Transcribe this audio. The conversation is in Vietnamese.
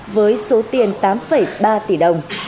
với số tiền tám ba tỷ đồng